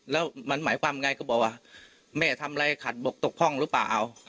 แล้วมันหมายความไงก็บอกว่าแม่ทำอะไรขัดบกตกพ่องหรือเปล่า